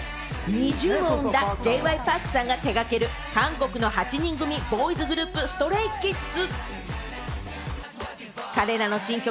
ＮｉｚｉＵを生んだＪ．Ｙ．Ｐａｒｋさんが手掛ける韓国の８人組ボーイズグループ・ＳｔｒａｙＫｉｄｓ。